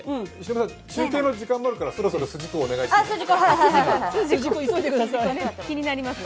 中継の時間もあるからそろそろ筋子お願いします。